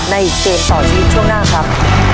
เกมต่อชีวิตช่วงหน้าครับ